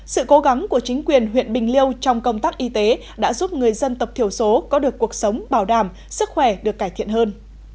sự cố gắng của chính quyền huyện bình liêu trong công tác y tế đã giúp người dân tộc thiểu số có được cuộc sống bảo đảm sức khỏe được cải thiện hơn